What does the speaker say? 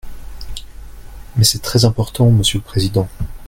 Mais c’est très important, monsieur le président